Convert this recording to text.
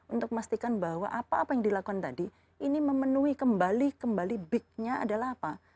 untuk memastikan bahwa apa apa yang dilakukan tadi ini memenuhi kembali kembali bignya adalah apa